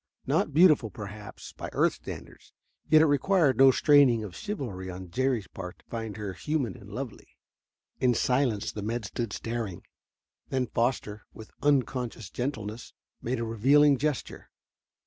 Not beautiful, perhaps, by earth standards, yet it required no straining of chivalry on Jerry's part to find her human and lovely. In silence the men stood staring. Then Foster, with unconscious gentleness, made a revealing gesture.